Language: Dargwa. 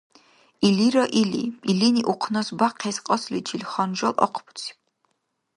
Илира или, илини ухънас бяхъес кьасличил ханжал ахъбуциб.